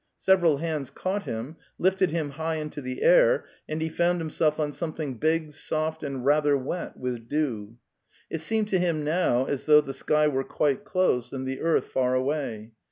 Sev eral hands caught him, lifted him high into the air, and he found himself on something big, soft, and rather wet with dew. It seemed to him now as though the sky were quite close and the earth far away.